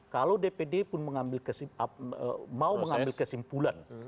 kalau dpd pun mau mengambil kesimpulan